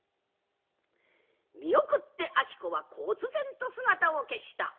見送って子はこつ然と姿を消した。